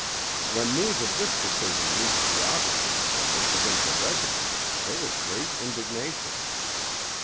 When news of this decision reached the officers of the provincial regiments, there was great indignation.